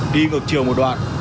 đi ngược chiều một đoạn